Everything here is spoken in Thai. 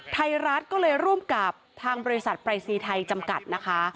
ไทยรัฐก็เลยร่วมกับทางบริษัทปรายศนีย์ไทยจำกัดนะคะ